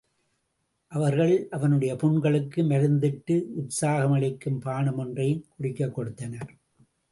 அவர்கள் அவனுடைய புண்களுக்கு மருந்திட்டு, உற்சாகமளிக்கும் பானமொன்றையும் குடிக்கக் கொடுத்தனர்.